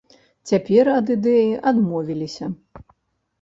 Цяпер ад ідэі адмовіліся.